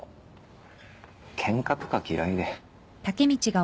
ケンカとか嫌いで。